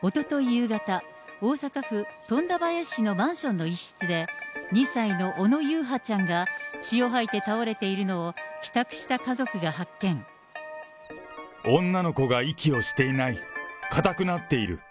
夕方、大阪府富田林市のマンションの一室で、２歳の小野優陽ちゃんが血を吐いて倒れているのを帰宅した家族が女の子が息をしていない。